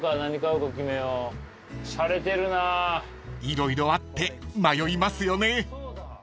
［色々あって迷いますよね］